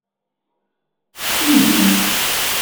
Inig.